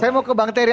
saya mau ke bang terry